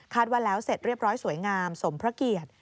ว่าแล้วเสร็จเรียบร้อยสวยงามสมพระเกียรติ